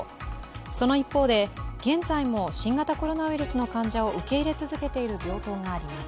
その一方で、現在も新型コロナウイルスの患者を受け入れ続けている病棟があります。